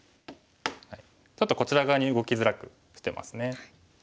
ちょっとこちら側に動きづらくしてますね。